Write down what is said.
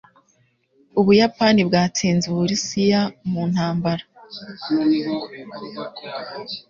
Ubuyapani bwatsinze Uburusiya mu ntambara